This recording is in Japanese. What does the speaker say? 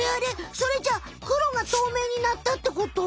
それじゃくろがとうめいになったってこと？